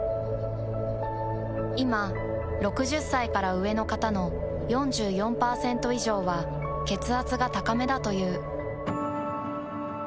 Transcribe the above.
いま６０歳から上の方の４４％以上は血圧が高めだという。